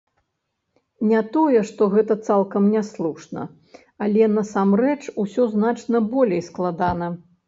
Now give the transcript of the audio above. Не тое што гэта цалкам няслушна, але насамрэч усё значна болей складана.